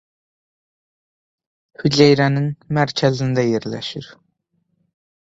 Hüceyrənin mərkəzində yerləşir.